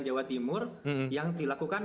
jawa timur yang dilakukan